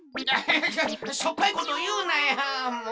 ちょっしょっぱいこというなやもう。